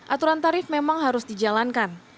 aturan tarif memang harus dijalankan